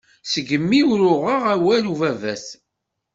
Seg-mi ur uɣeɣ awal ubabat.